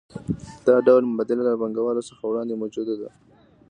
دا ډول مبادله له پانګوالۍ څخه وړاندې موجوده وه